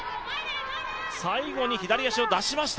最後に左足を出しました。